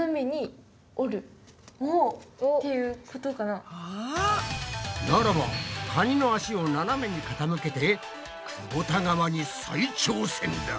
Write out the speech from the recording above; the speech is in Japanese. ならばカニの脚をななめにかたむけてくぼた川に再挑戦だ。